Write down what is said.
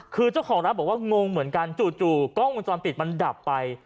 คือเจ้าของร้านบอกว่างงเหมือนกันจู่กล้องวงจรปิดมันดับไป